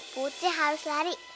putri harus lari